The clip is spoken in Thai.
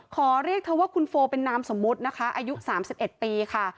ขอเรียกเธอว่าคุณโฟเป็นนามสมมุตินะคะอายุ๓๑ปีค่ะ